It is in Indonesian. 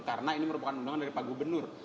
karena ini merupakan undangan dari pak gubernur